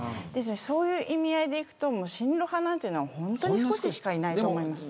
そういう意味合いでいくと親露派は本当に少ししかいないと思います。